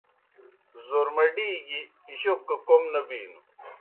زورمڈی گیْ جوک گہ کوْم نہ بِینوْ۔